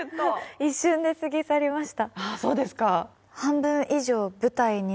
一瞬で過ぎ去りました。